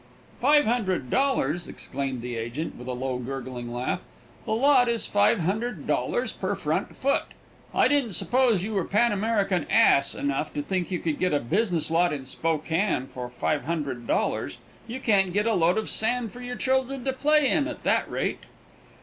"Five hundred dollars!" exclaimed the agent with a low, gurgling laugh; "the lot is $500 per front foot. I didn't suppose you were Pan American ass enough to think you could get a business lot in Spokane for $500. You can't get a load of sand for your children to play in at that rate."